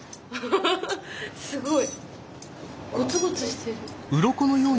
すごい！